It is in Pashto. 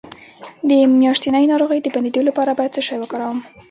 د میاشتنۍ ناروغۍ د بندیدو لپاره باید څه شی وکاروم؟